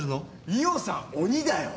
伊緒さん鬼だよ。